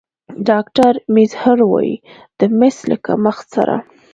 ډاکتر میزهر وايي د مس له کمښت سره